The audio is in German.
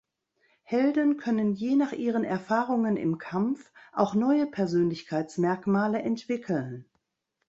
Helden können je nach ihren Erfahrungen im Kampf auch neue Persönlichkeitsmerkmale entwickeln.